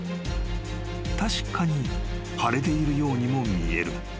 ［確かに腫れているようにも見えるが］